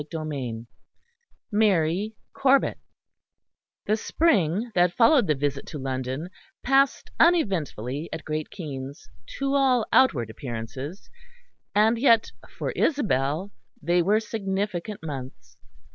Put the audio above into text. CHAPTER IV MARY CORBET The spring that followed the visit to London passed uneventfully at Great Keynes to all outward appearances; and yet for Isabel they were significant months.